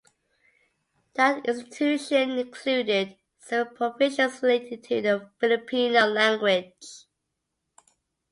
That constitution included several provisions related to the Filipino language.